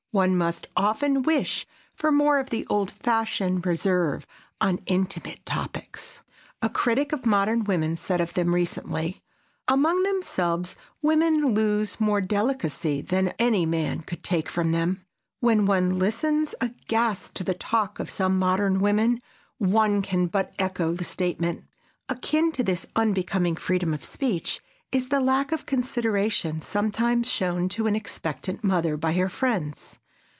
One must often wish for more of the old fashioned reserve on intimate topics. A critic of modern women said of them recently: "Among themselves, women lose more delicacy than any man could take from them." When one listens aghast to the talk of some modern women, one can but echo the statement. Akin to this unbecoming freedom of speech is the lack of consideration sometimes shown to an expectant mother by her friends.